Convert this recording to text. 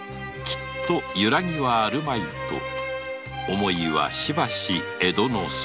揺らぎはあるまいと思いはしばし江戸の空